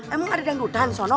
emang ada yang dudan disono